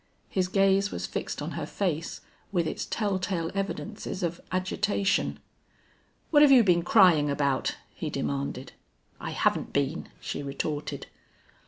His gaze was fixed on her face, with its telltale evidences of agitation. "What've you been crying about?" he demanded. "I haven't been," she retorted.